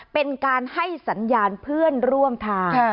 เป็นการให้สัญญาณเพื่อนร่วมทาง